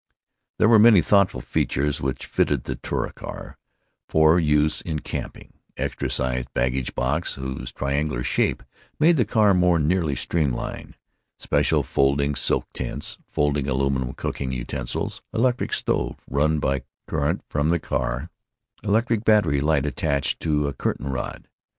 There were many thoughtful features which fitted the Touricar for use in camping—extra sized baggage box whose triangular shape made the car more nearly streamline, special folding silk tents, folding aluminum cooking utensils, electric stove run by current from the car, electric battery light attached to a curtain rod.